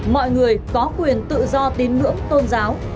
mọi người có quyền tự do tín ngưỡng tôn giáo